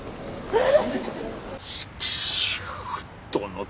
えっ？